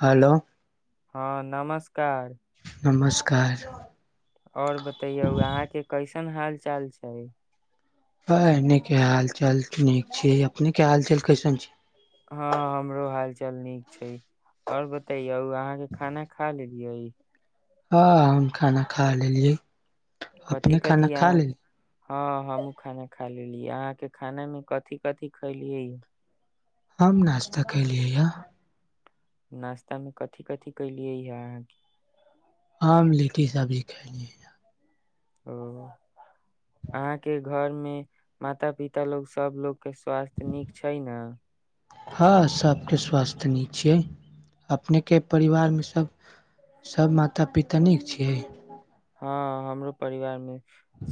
हलो हँ नमस्कार नमस्कार और बतैयौ यहां के कैसन हाल चाल छै? नीके हाल चाल छै नीक छैय अपने के हालचाल कैसन छय? हँ हमरो हाल चाल नीक छै और बतैयो अहाँ के खाना खा लेलियै? हँ ह हम खाना खा लेलियै कथि अपने खाना कथि खा अहाँ लेलिये? हँ हमहुँ खाना खा लेलिय अहाँ के खाना में कथि-कथि खैलिय यऽ? हम नास्ता केलियै यऽ। नास्ता मे कथि-कथि कलियै यऽ अहाँके हम लिट्टी सब्जी खलियै। ओ अहाँके घर मे माता-पिता लोग सब लोग के स्वास्थ्य नीक छै न? हँ सबके स्वस्थ नीक छियै अपनेके परिवारमे सब सब माता-पिता नीक छियै? हँ हमरो परिवार मे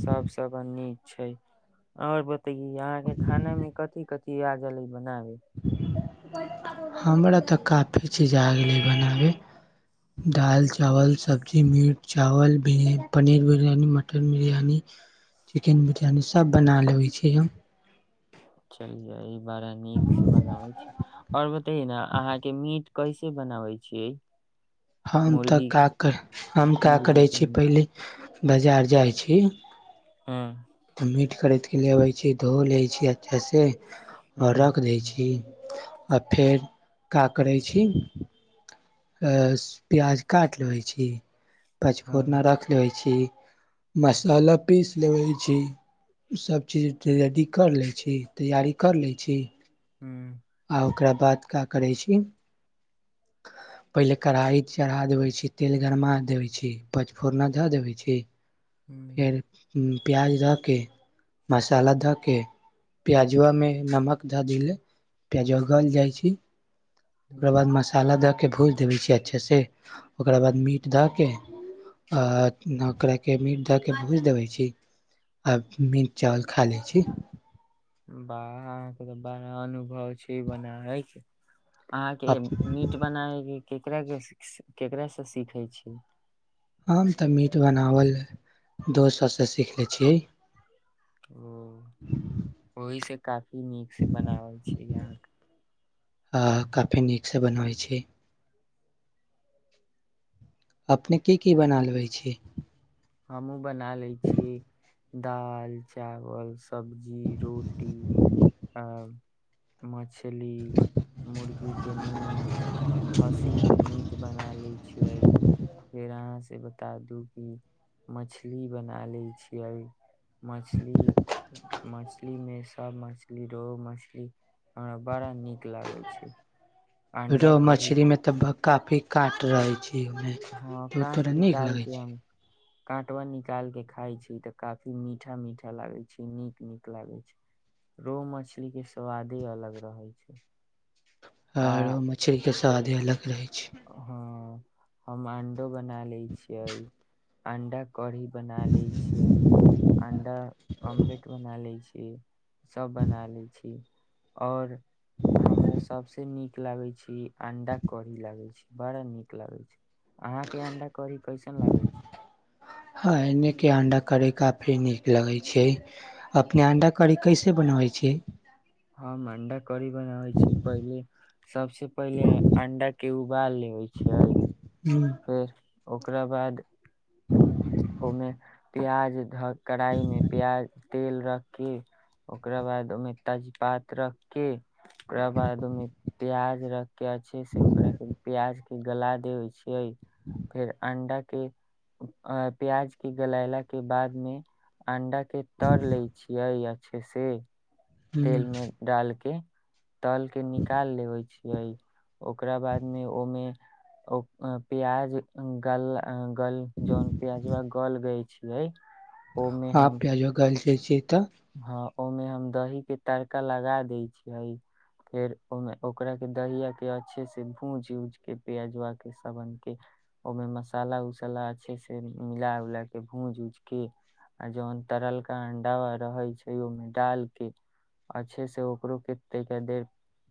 सब सबा नीक छय। और बतैयौ अहाँके खाना मे कथी-कथी आ गैलै बनाबे हमरा तऽ काफी चीज आ गेलै बनाबै। दाल-चावल सब्जी, मीठ-चावल, पनीर-बिरयनी, मटन-बिरयनी चिकेन-बिरयानी सब बना लेबै छी हम चलियै ई बड़ा नीकसँ बनाबै छी ओर बतैए ने अहाँके मीट कइसे बनाबै छियै? हम तऽ मुर्गी का करै हम काऽ मुर्गी करै के छी मीट पहिले बाजार जाइ छी। ऊऽ तऽ मीट खरीद केऽ ले अबै छी धो लै छी अच्छे से आ हूँ रख दैय छी आ फेर काऽ करै छी? प्याज काटि लेैबै छी हँ पचफोरना रखि लेैबै छी। मसाला पीस लैबए छी। सब चीज के रेडी कर लै छी तैयारी कर लै छी। हू आओर ओकरा बाद क्या करै छी? [inaudible] पहिले कढ़ाइ चढ़ा देबै छी, तेल गरमा देबै छी, पोचफोरना धऽ देबै छी। हूँ फेर प्याज धऽके मसाला धऽ के प्याजुमे नमक धऽ देले प्याजो उ गल जाइ छै। ओकरा बाद हूँ मसाला दऽ कऽ, भूज देबै छियै अच्छासँ ओकरा बाद मीट दऽ कऽ आ ओकरा के मीट दए के भोज देबै छी। आब मीट चावल खा लै छी। बाह अहाँके तऽ बड़ा अनुभव छै बनाइ। अहाँके मीट बनाबयके केकररा के केकरासँ सीखै छी? हम तऽ मीट बनाबल दोस्त सभसँ सीख लै छी। ओ ओहि से काफी नीक से बनावल छीय अहाँके काफी नीकसँ बनबै छी। अपने की की बना लेबै छी? हमहुँ बना लै छी। दाल चावल सब्जी रोटी आ मछली मुर्गी के मीट खस्सी के नीट बना ले छियै फेर अहाँ से बता दू क मछली बना लैत छियै। मछली मछलीमे सब मछली रहो मछली हमरा बड़ा नीक लागै छई। रोह मछली में तऽ भक काफी काट रहे छै, ओयमे हँ काँट निकालके हम काँटवा निकाल के खाय छी तऽ काफी मीठा- मीठा लागै छै नीक - नीक लागै छै। रोह मछली के स्वादे अलग रहे छै। हँ आ रोह मछरीके स्वाद ही अलग रहैत छै। हँ हम अंडो बना लैत छियै, अंडा कड़ी बना लय छियै, अंडा ऑमलेट बना लै छीयै। सभ बना लैत छी, आओर हमरा सभसँ नीक लगैत छी, अंडा कड़ी लागे छै, बड़ नीक लागे छै, अहां के अंडा कड़ी कैसन लागे छै, हँ एने के अंडा करय काफी नीक लगै छै, अपने अंडा करी कैसे बनबै छियै। हम अंडा कड़ी बनाबे छी, पहिले सबसे पहिले अंडा के उबाल लय छियै। हँ फेर ओकरा बाद ओहिमे प्याज ध क कढ़ाई में प्याज तेल रख के ओकरा बाद ओहिमे तेजपात रख के ओकरा बाद ओमे प्याज रख के अच्छे से ओकरा के प्याज के गला देवइ छी। फेर अंडा के अ प्याज के गलायला के बाद मे अंडा के तर लय छियै अच्छे से तेलमे डाल के तल के निकाल लेबे छियै, ओकरा बाद मे ओमे ओ प्याज गल जहन प्याजवा गल गैय छीयै हँ प्याजवा गल जाय छीयै तऽ हँ ओमे हम दही के तड़का लगा दै छियै फेर ओहिमे ओकराके दहिआके अच्छे से भूजि उज क प्यजुआके सबनके ओमे मसाला -उसाला अच्छे से मिला उला के भूज उज के आ जोवन तरलका अंडा रहै छै ओमे डाल के अच्छे से ओकरो केते देर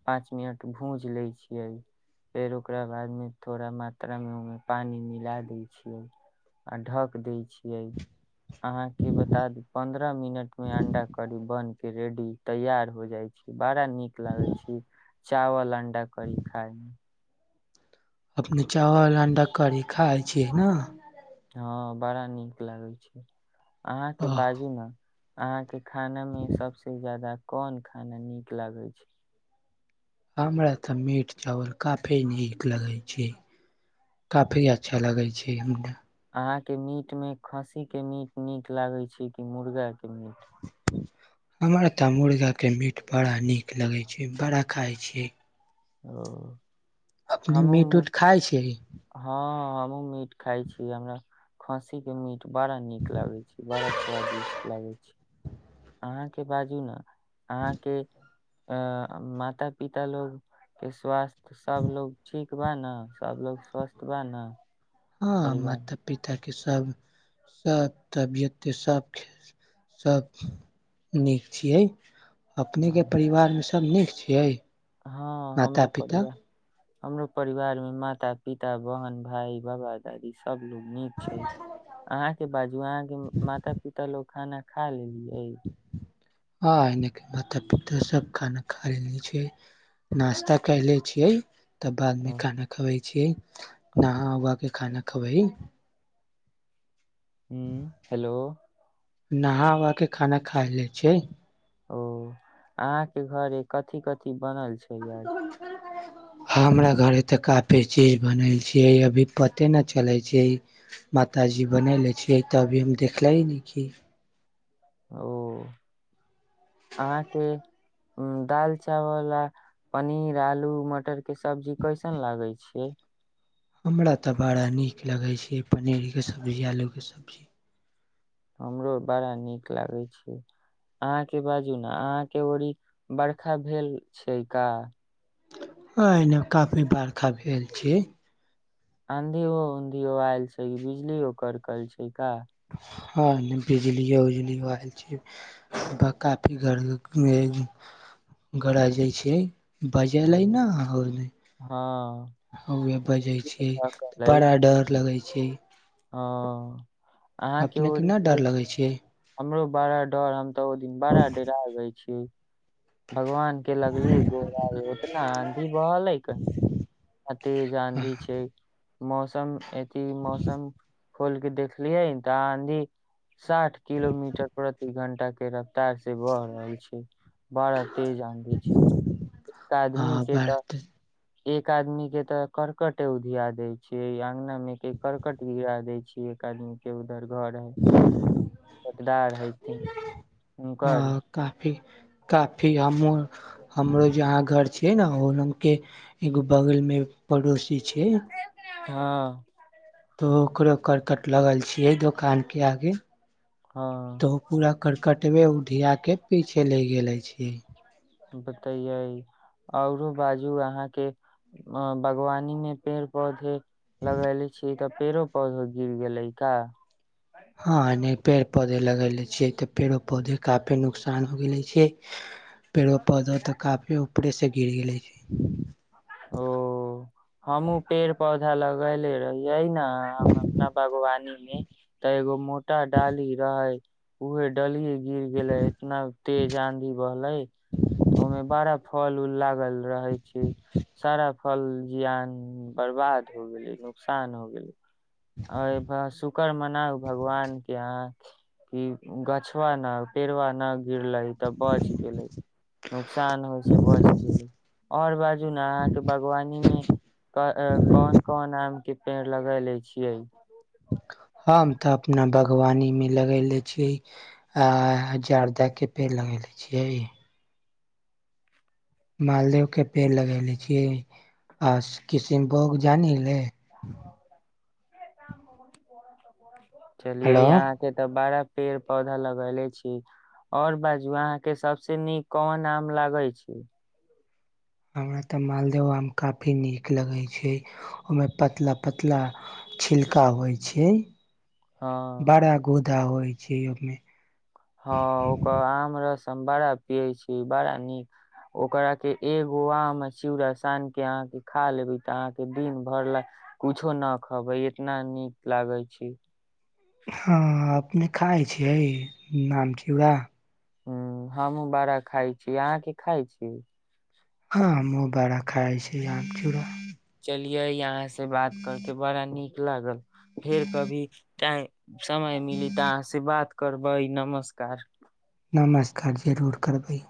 पाँच मिनट भूंज लय छियै फेर ओकरा बाद मे थोड़ा मात्रा में ओहिमे पानी मिला दैय छियै आ ढक दै छियै अहाँके बता दी पन्द्रह मिनट में अंडा करी बन के रेडी तैयार हो जाइ छैय बड़ा नीक लागे छैय चावल अंडा कड़ी खायमे अपने चावल अंडा कड़ी खाइ छियै न हँ बड़ा नीक लागे छै अहाँके बाजू न अहाँके खानामे सबसे ज्यादा कोन खाना नीक लागै छै हमरा तऽ मीट चावल काफी नीक लगैत छै काफी अच्छा लगै छै हमरा अहाँके मीटमे खस्सीके मीट नीक लागैत छैय कि मुर्गाके मीट हमर तऽ मुर्गाके मीट बड़ा नीक लगैत छैय बड़ा खाइ छीयै ओ अपने मीट हमहु उट खाइ छीयइ हँ हमहुँ मीट खाइ छी हमरा खस्सी के मीट बड़ा नीक लागे छैय बड़ा स्वादिष्ट लागे छैय अहाँके बाजू न अहाँके अ माता -पिता लोग के स्वास्थ सबलोग ठीक ठीक बा न सबलोग स्वस्थ बा न हँ माता पिताके सब सब तबियतके सब सभ नीक छियै अपनेके हँ परिवारमे सभ नीक छियै हँ माता हमरो पिता बढ़िया हमरो परिवार में माता, पिता, बहन, भाई, बाबा दादी सब लोग नीक छैय अहा के बाजू अहाँ के माता पिता लोग खाना खा लेलियै हँ एनेक मात पिता सब खान खा लेलीए छीऐ नास्ता कयले छियै तब बादमे ह खाना खबै छियै नहा उह के खाना खबै हू हेलो नहा उहा के खाना खाय ले छै ओ अहा के घरे कथी -कथी बनल छै आज [unintelligible] हमरा घरे तऽ काफी चीज बनै छियै अभी पते न चलै छीय मातााजी बनयले छियै तऽ अभी हम देखलय नै छी अहाँके उ दाल, चावल आ पनीर, आलू, मटर के सब्जी कैसन लागे छैय हमरा तऽ बड़ा नीक लगै छीयै पनीरके सब्जी आलूके सब्जी हमरो बड़ा नीक लागै छीयै अहाँ के बाजू ने, अहां के ओरी बरखा भेल छै का। अयने काफी बारखा भेल छै। आँधियो -उधियो आयल छै बिजलियो करकल छै का। हँ बिजलिए उजलीयो आयल छै। ग काकी घर में गरा जाइ छै। बजले लै ने होयले हँ उहे बजय छय, बड़ा डर लगय छय। हंऽ अहाँ के अपने ओ न डर लगै छै हमरो बड़ा डर, हम तऽ उ दिन बड़ा डरा गय छी। भगवान के लगली गोहराइ, उतना आँधी बहलेै कहीं। अतेज आंधी छैय। मौसम अथी, मौसम खोल के देखलियै, तऽ आंधी। साठ किलोमीटर प्रति घंटा के रफ्तार से, बह रहल छै। बड़ा तेज आंधी छै, एक आदमी हँ के तऽ बात एक आदमी के ते करकट उधिया देय छै, अंगना मे के करकट गिरा देय छी। एक आदमी के उधर घर हैकदार हेतिंह, हँ हुनकर काफी- काफी, हमहू हमरो जहाँ घर छियै ने ओलमके एगो बगल में पड़ोसी छै। हँ तो ओकरो करकट लगल छियै, दोकान के आगे हँ तऽ ओ पूरा करकटबे उधियाके, पीछे ले गेले अछि। बतैयै, औरो बाजू अहाँके अ बागवानी मे पेड़ -पौधे लगेले छीये तऽ पेड़ो -पौधो गिर गेलै का। हं नय, पेड़ -पौधे लगेले छीये, तऽ पेड़ो -पौधे काफी नुकसान हो गेले छीय। [unintelligible] पेड़ो -पौधो तऽ काफी ऊपरेस गिर गेलै की। ओऽ, हमूँ पेड़ -पौधा लगेले रहियै ने। हं हम अपना बागवानी मे त एगो मोट टा डाली रहै, उहे डलीयै गिर गेलै, इतना तेज आंधी बहलै। उमे बड़ा फल- उल लागल रहै। छिय, सारा फल जियान बरबाद हो गेलै, नुकसान हो गेलै। अरे बा शुकर मनाउ, भगवानके अहाँ। की गछवा ना, पेड़वा ना गिरलै। त बच गेलै, नुकसान होइ स बच गेलै और बाजू अहाँ के बागवानी में कौन -कौन आमके पेड़ लगैले छिय। हम त अपना बागवानी मे लगैले छिय। आ जरदाके पेड़ लगेले छियै। मालदेहोके पेड़ लगेले छिइ आ किसिनभोग जानी हीले। चलिए हेलो अहाँ। से त बरा पेड़- पौधा लगैले छीय। और बाजू, अहाँ के सबसे नीक कोन आम लागै छी? हमरा त मालदेहो आम काफी नीक लगै छै। ओइमे पतला -पतला छिलका होइ छै। हँ बाड़ा गुदा होइ छै, ओमे। हँ, ओकर आम रस हम बाड़ा पियै छी, बाड़ा नीक। ओकरा के एगो आम आ चिउरा सान के अहाँके खा लेबै त, अहाँके दिन भर ले कुछो न खबै, इतना नीक लागै छै। हँ अपने खाइ छियै, आम चूरा। हमहुं बड़ा खाइ छी, अहाँके खाइ छी? हँ हमूँ बड़ा खाइ छी, आम चूरा। चलियै अहाँ से बात करके बड़ा नीक लागल, फेर कभी टाइ। समय मिली त अहाँ से बात करबै, नमस्कार! नमस्कार! जरूर करबै।